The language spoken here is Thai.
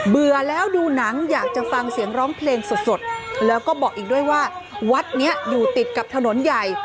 เบื่อแล้วดูหนังอยากจะฟังเสียงร้องเพลงสดแล้วก็บอกอีกด้วยว่าวัดนี้อยู่ติดกับถนนใหญ่